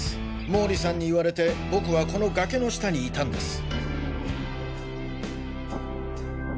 毛利さんに言われて僕はこの崖の下にいたんです。